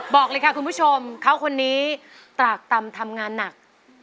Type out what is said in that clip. บอกเลยค่ะคุณผู้ชมเขาคนนี้ตรากตำทำงานหนัก